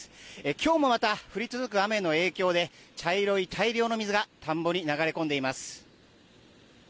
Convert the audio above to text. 今日もまた降り続く雨の影響で茶色い大量の水が田んぼに流れ込んでいます。